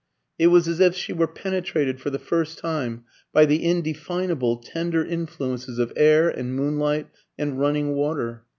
It was as if she were penetrated for the first time by the indefinable, tender influences of air and moonlight and running water.